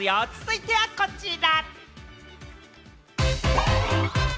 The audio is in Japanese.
続いてはこちら。